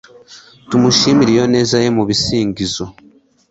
tumushimire iyo neza ye, mu bisingizo